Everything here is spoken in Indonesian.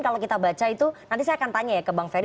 kalau kita baca itu nanti saya akan tanya ya ke bang ferry